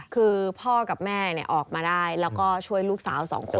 คือพ่อกับแม่ออกมาได้แล้วก็ช่วยลูกสาว๒คน